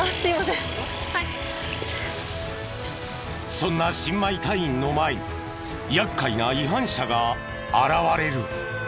そんな新米隊員の前に厄介な違反者が現れる。